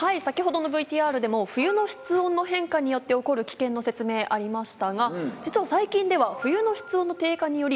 先ほどのＶＴＲでも冬の室温の変化によって起こる危険の説明ありましたが実は最近では。